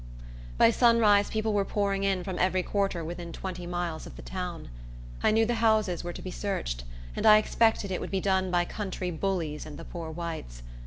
By sunrise, people were pouring in from every quarter within twenty miles of the town. I knew the houses were to be searched; and I expected it would be done by country bullies and the poor whites.